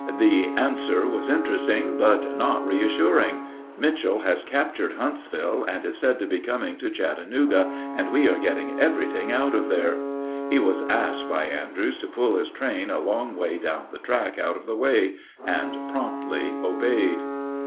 The answer was interesting, but not reassuring: "Mitchel has captured Huntsville, and is said to be coming to Chattanooga, and we are getting everything out of there." He was asked by Andrews to pull his train a long way down the track out of the way, and promptly obeyed.